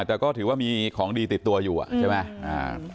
แต่ก็ถือว่ามีของดีติดตัวอยู่ใช่ไหม